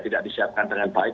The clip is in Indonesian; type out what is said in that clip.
tidak disiapkan dengan baik